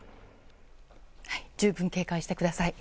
十分、警戒してください。